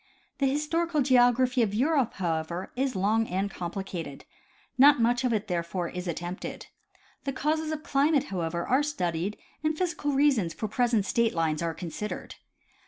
The historical geography of Europe, however, is long and complicated. Not much of it therefore, is attempted. The causes of climate however, are studied and physical reasons for present state lines are consid ered.